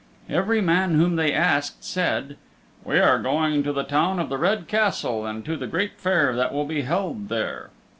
Every man whom they asked said, "We are going to the Town of the Red Castle, and to the great fair that will be held there."